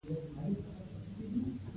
دا درې به مو له غلامۍ وژغوري.